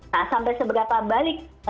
nah sampai seberapa balik